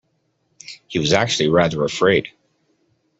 He was actually rather afraid